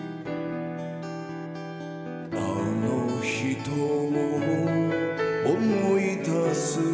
「あの人を思い出す」